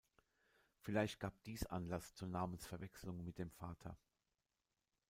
Vielleicht gab dies Anlass zur Namensverwechslung mit dem Vater.